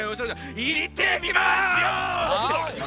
いってきますよ。